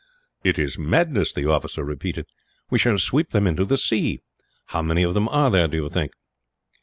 "It is madness," the officer repeated. "We shall sweep them into the sea. How many of them are there, do you think?"